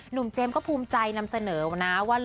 เจมส์ก็ภูมิใจนำเสนอนะว่า